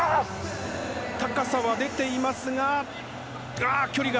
高さは出ていますが距離が。